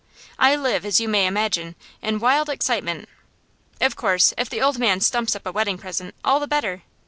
I live, as you may imagine, in wild excitement. Of course, if the old man stumps up a wedding present, all the better.